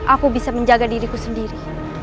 aku bisa menjaga diriku sendiri